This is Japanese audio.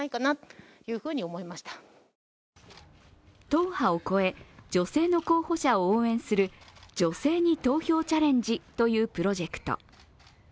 党派を越え、女性の候補者を応援する女性に投票チャレンジというプロジェクト。